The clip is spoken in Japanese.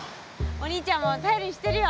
お兄ちゃんも頼りにしてるよ。